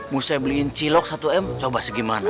mau saya beliin cilok satu m coba segimana